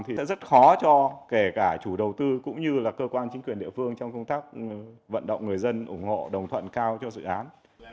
thì sẽ rất khó cho kể cả chủ đầu tư cũng như là cơ quan chính quyền địa phương trong công tác vận động người dân ủng hộ đồng thuận cao cho dự án